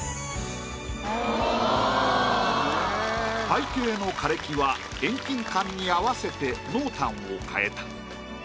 背景の枯れ木は遠近感に合わせて濃淡を変えた。